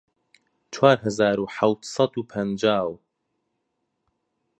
چوار هەزار و حەفت سەد و پەنجاو